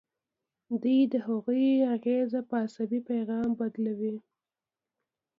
دوی د هغوی اغیزه په عصبي پیغام بدلوي.